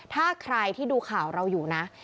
ถ้าใครที่ดูข่าวเราอยู่นะ